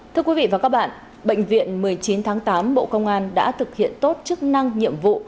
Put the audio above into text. thưa quý vị và các bạn bệnh viện một mươi chín tháng tám bộ công an đã thực hiện tốt chức năng nhiệm vụ